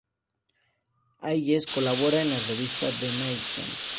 Hayes colabora en la revista "The Nation".